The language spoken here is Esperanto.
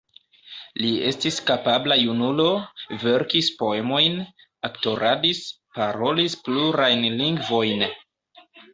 Li estis kapabla junulo, verkis poemojn, aktoradis, parolis plurajn lingvojn.